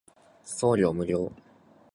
送料無料